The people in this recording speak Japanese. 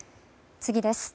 次です。